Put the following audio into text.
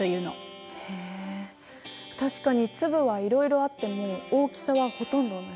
確かに粒はいろいろあっても大きさはほとんど同じ。